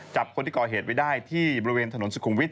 จับคนที่ก่อเหตุไว้ได้ที่บริเวณถนนสุขุมวิทย